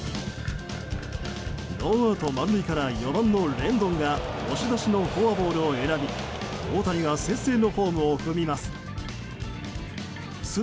ノーアウト満塁から４番のレンドンが押し出しのフォアボールを選び大谷は先制のホームを踏みます。